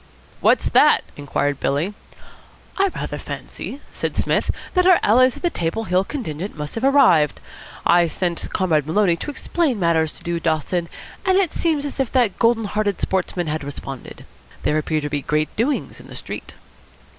"What's that?" inquired Billy. "I rather fancy," said Psmith, "that our allies of the Table Hill contingent must have arrived. I sent Comrade Maloney to explain matters to Dude Dawson, and it seems as if that golden hearted sportsman had responded. There appear to be great doings in the street."